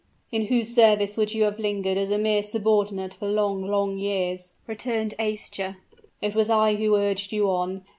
"In whose service you would have lingered as a mere subordinate for long, long years," returned Aischa. "It was I who urged you on.